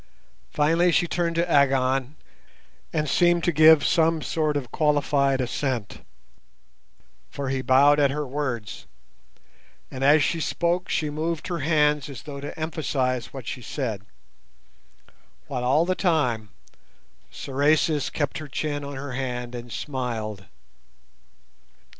Finally she turned to Agon and seemed to give some sort of qualified assent, for he bowed at her words; and as she spoke she moved her hands as though to emphasize what she said; while all the time Sorais kept her chin on her hand and smiled.